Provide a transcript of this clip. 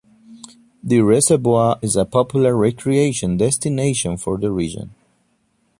The reservoir is a popular recreation destination for the region.